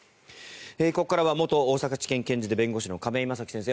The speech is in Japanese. ここからは元大阪地検検事で弁護士の亀井正貴先生